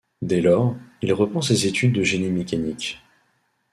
Dès lors, il reprend ses études de génie mécanique.